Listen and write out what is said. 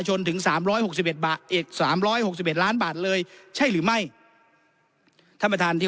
ชนถึง๓๖๑บาทอีก๓๖๑ล้านบาทเลยใช่หรือไม่ท่านประธานที่